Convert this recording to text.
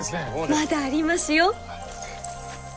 まだありますよ！